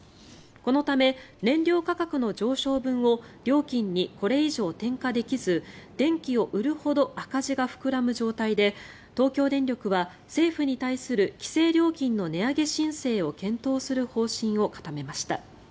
このため、燃料価格の上昇分を料金にこれ以上転嫁できず電気を売るほど赤字が膨らむ状態で東京電力は政府に対する規制料金の値上げ申請を検討する方針を固めました。